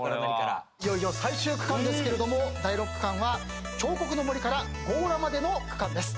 いよいよ最終区間ですけれども第６区間は彫刻の森から強羅までの区間です。